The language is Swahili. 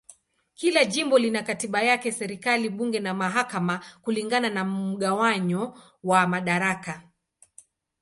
Kila jimbo lina katiba yake, serikali, bunge na mahakama kulingana na mgawanyo wa madaraka.